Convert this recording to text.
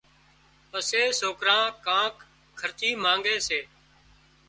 پسي سوڪران ڪانڪ خرچي مانڳي سي